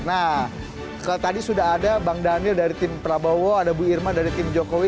nah tadi sudah ada bang daniel dari tim prabowo ada bu irma dari tim jokowi